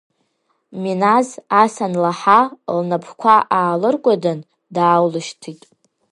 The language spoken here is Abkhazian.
Миназ ас анлаҳа, лнапқәа аалыркәадан, дааулышьҭит.